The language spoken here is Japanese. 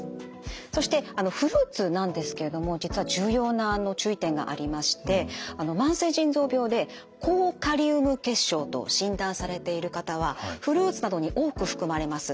そしてあのフルーツなんですけれども実は重要な注意点がありまして慢性腎臓病で高カリウム血症と診断されている方はフルーツなどに多く含まれます